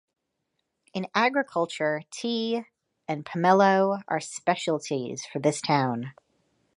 In agriculture, tea and pomelo are the specialties for this township.